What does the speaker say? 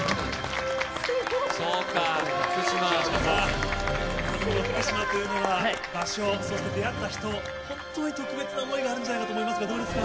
福島というのが場所、そして出会った人、本当に特別な想いがあるんじゃないかと思いますが、どうですか？